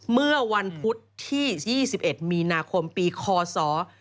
เมื่อวันพุธที่๒๑มีนาคมปีคศ๒๕๖